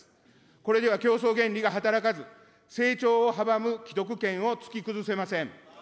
これでは競争原理が働かず、成長を阻む既得権を突き崩せません。